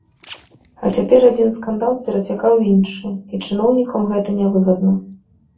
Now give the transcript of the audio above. А цяпер адзін скандал перацякае ў іншы, і чыноўнікам гэта нявыгадна.